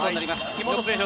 井本選手